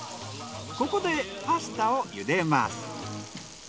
ここでパスタを茹でます。